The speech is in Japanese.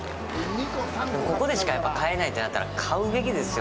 ここでしか買えないとなったら買うべきですよ。